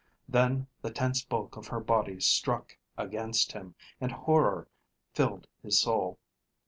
Then the tense bulk of her body struck against him, and horror filled his soul.